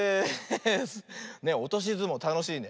おとしずもうたのしいね。